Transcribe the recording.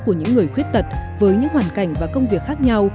của những người khuyết tật với những hoàn cảnh và công việc khác nhau